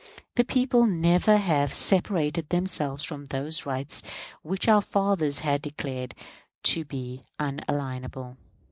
The people never have separated themselves from those rights which our fathers had declared to be unalienable.